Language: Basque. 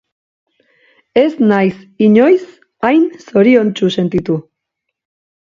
Ez naiz inoiz hain zoriontsu sentitu.